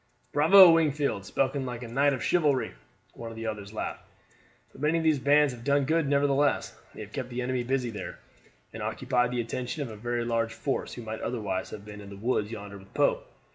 "Bravo, Wingfield! spoken like a knight of chivalry!" one of the others laughed. "But many of these bands have done good nevertheless. They have kept the enemy busy there, and occupied the attention of a very large force who might otherwise have been in the woods yonder with Pope.